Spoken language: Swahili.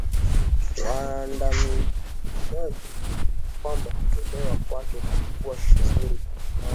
wanaadhimisha ya kwamba kutolewa kwake kulikuwa kuzuri kwa maana